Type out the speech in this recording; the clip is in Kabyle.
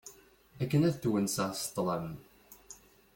Akken ad twenseɣ s ṭlam.